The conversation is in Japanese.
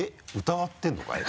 疑ってるのかい？